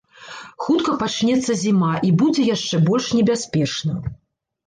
Хутка пачнецца зіма, і будзе яшчэ больш небяспечна.